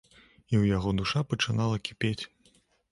І ў яго душа пачынала кіпець.